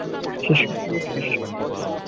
শিষ্য ছিল, শিষ্য।